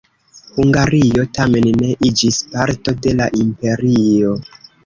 Hungario tamen ne iĝis parto de la imperio.